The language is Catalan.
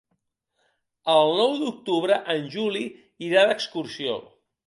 El nou d'octubre en Juli irà d'excursió.